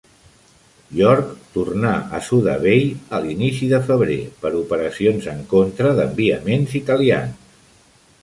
"York" tornà a Suda Bay a l'inici de febrer per operacions en contra d'enviaments italians.